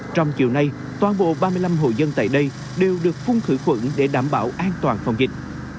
trong chiều nay toàn bộ ba mươi năm hội dân tại đây đều được phung khử quận để đảm bảo an toàn phòng dịch